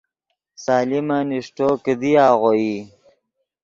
سلیمن اݰٹو، کیدی آغوئی